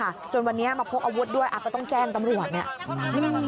อาจจะต้องแจ้งตำรวจเนี่ย